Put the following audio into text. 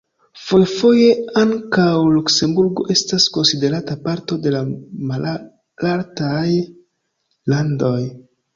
Fojfoje ankaŭ Luksemburgo estas konsiderata parto de la Malaltaj Landoj.